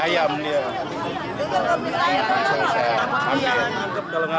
jadi saya langsung muncul ke lokasi